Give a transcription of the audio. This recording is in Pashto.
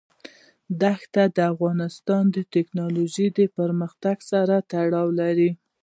دښتې د افغانستان د تکنالوژۍ د پرمختګ سره تړاو لري.